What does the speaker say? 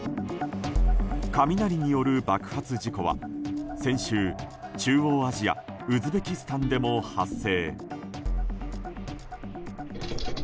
雷による爆発事故は先週、中央アジアウズベキスタンでも発生。